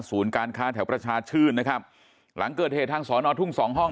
การค้าแถวประชาชื่นนะครับหลังเกิดเหตุทางสอนอทุ่งสองห้อง